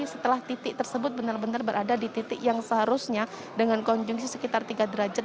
setelah titik tersebut benar benar berada di titik yang seharusnya dengan konjungsi sekitar tiga derajat